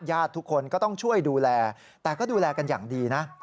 ญาติทุกคนก็ต้องช่วยดูแลแต่ก็ดูแลกันอย่างดีนะ